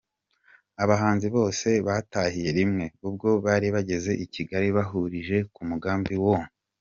bahanzi bose batahiye rimwe, ubwo bari bageze i Kigali bahurije ku mugambi wo.